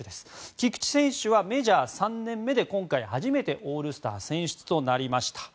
菊池選手はメジャー３年目で今回初めてオールスター選出となりました。